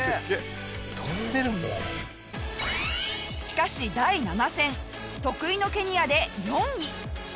しかし第７戦得意のケニアで４位。